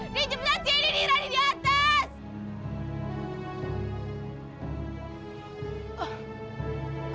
di cepetan sini rania di atas